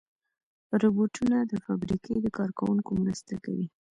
روبوټونه د فابریکې د کار کوونکو مرسته کوي.